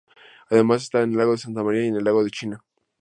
Además están el lago de Santa María y el Lago de China.